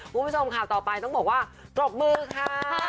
คุณผู้ชมข่าวต่อไปต้องบอกว่าปรบมือค่ะ